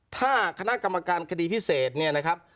ถ้าคณะกรรมการคดีพิเศษเนี่ยนะครับ